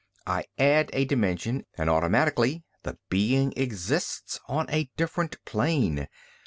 I add a dimension, and automatically the being exists on a different plane.